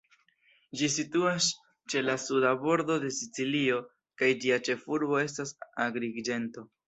Ĝi situas ĉe la suda bordo de Sicilio, kaj ĝia ĉefurbo estas Agriĝento.